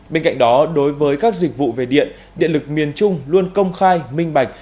bên cạnh đó đối với các dịch vụ về điện điện lực miền trung luôn công khai minh bạch